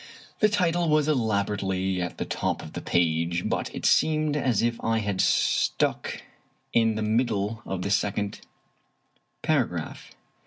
The title was elaborately at the top of the page, but it seemed as if I had stuck in the middle of the second 27 Irish Mystery Stories paragraph.